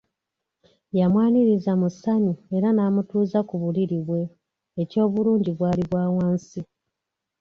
Yamwaniriza mu ssanyu era n’amutuuza ku buliri bwe, eky’obulungi bwali bwa wansi.